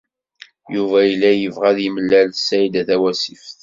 Yuba yella yebɣa ad yemlal d Saɛida Tawasift.